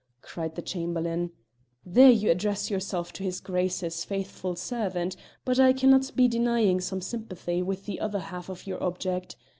cried the Chamberlain: "there you address yourself to his Grace's faithful servant; but I cannot be denying some sympathy with the other half of your object.